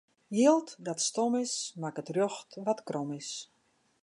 Jild dat stom is, makket rjocht wat krom is.